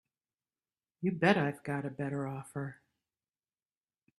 You bet I've got a better offer.